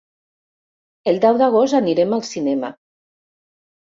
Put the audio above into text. El deu d'agost anirem al cinema.